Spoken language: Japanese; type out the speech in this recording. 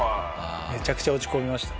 めちゃくちゃ落ち込みました。